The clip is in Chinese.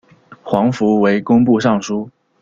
黄福为工部尚书。